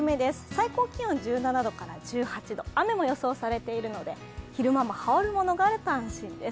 最高気温１７度から１８度、雨も予想されているので、昼間も羽織るものがあると安心です。